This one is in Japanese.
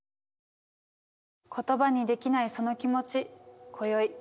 言葉にできないその気持ち今宵